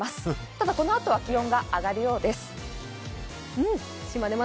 ただ、このあとは気温が上がるようです。